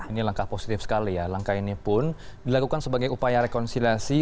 ini langkah positif sekali ya langkah ini pun dilakukan sebagai upaya rekonsiliasi